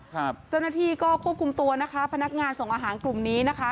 เจ้าหน้าที่ก็ควบคุมตัวนะคะพนักงานส่งอาหารกลุ่มนี้นะคะ